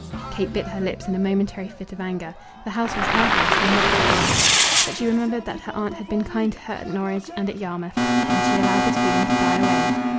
Kate bit her lips in a momentary fit of anger. The house was her house, and not her aunt's. But she remembered that her aunt had been kind to her at Norwich and at Yarmouth, and she allowed this feeling to die away.